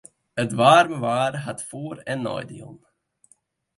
It waarme waar hat foar- en neidielen.